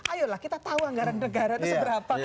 ayolah kita tahu anggaran negara itu seberapa